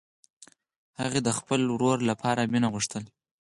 هغې د خپل ورور لپاره مینه غوښتله